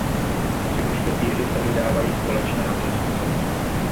Tři mušketýři se vydávají společně na cestu.